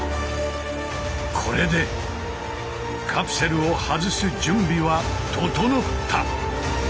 これでカプセルを外す準備は整った。